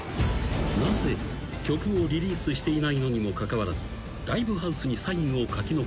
［なぜ曲をリリースしていないのにもかかわらずライブハウスにサインを書き残したのか？］